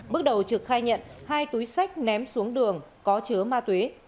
bước đầu trực khai nhận hai túi sách ném xuống đường có chứa ma túy